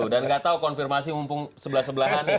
dan enggak tahu konfirmasi mumpung sebelah sebelahan nih